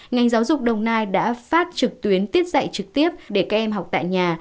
ngành giáo dục đồng nai đã phát trực tuyến tiết dạy trực tiếp để các em học tại nhà